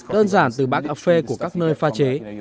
đơn giản từ bán cà phê của các nơi pha chế